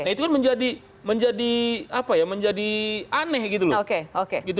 nah itu kan menjadi aneh gitu loh